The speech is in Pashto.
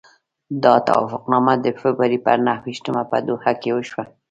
دا توافقنامه د فبروري پر نهه ویشتمه په دوحه کې وشوه.